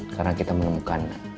karena kita menemukan